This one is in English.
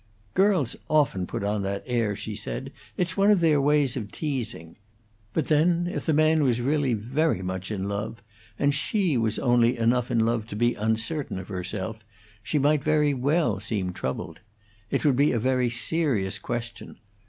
"Girls often put on that air," she said. "It's one of their ways of teasing. But then, if the man was really very much in love, and she was only enough in love to be uncertain of herself, she might very well seem troubled. It would be a very serious question.